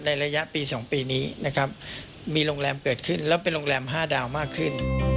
ระยะปี๒ปีนี้นะครับมีโรงแรมเกิดขึ้นแล้วเป็นโรงแรม๕ดาวมากขึ้น